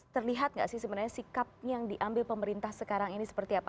terlihat nggak sih sebenarnya sikap yang diambil pemerintah sekarang ini seperti apa